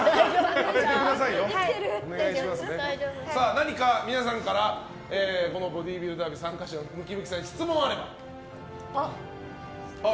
何か皆さんからボディービルダービー参加者ムキムキさんに質問があれば。